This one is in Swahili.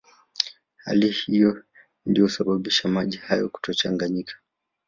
Hali hiyo ndiyo husababisha maji hayo kutochanganyika